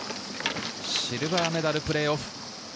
シルバーメダルプレーオフ。